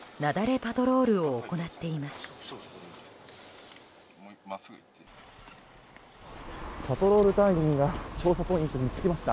パトロール隊員が調査ポイントに着きました。